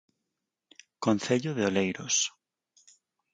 Concello de Oleiros.